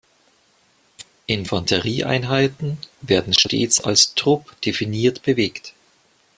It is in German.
Infanterieeinheiten werden stets als Trupp definiert bewegt.